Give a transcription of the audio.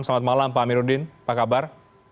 selamat malam pak amiruddin apa kabar